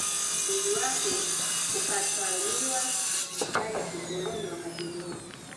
Mwili wake ukatwaliwa na Serikali ya kikoloni wakati huo